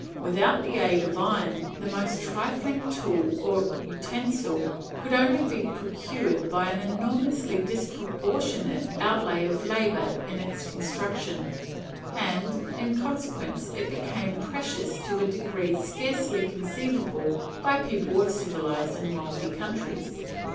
Without the aid of iron the most trifling tool or utensil could only be procured by an enormously disproportionate outlay of labour in its construction, and, in consequence, it became precious to a degree scarcely conceivable by people of civilized and wealthy countries.